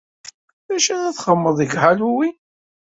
D acu ara txedmeḍ deg Halloween?